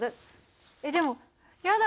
えっでもやだ